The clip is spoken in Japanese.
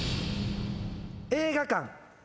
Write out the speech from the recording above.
映画館。